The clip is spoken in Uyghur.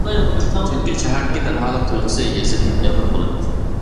چۈنكى شەھەردىكى تەنھالىق تۇيغۇسى يېزىدىن ئېغىر بولىدۇ.